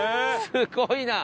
すごいな！